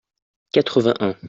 quatre-vingt un.